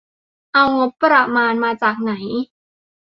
เอางบประมาณจากไหน ?